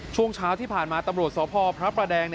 ช่วงเช้าที่ผ่านมาตำรวจสพพระประแดง